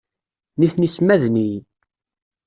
Nitni ssmaden-iyi.